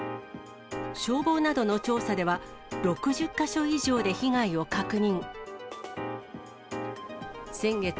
消防などの調査では、６０か所以上で被害を確認。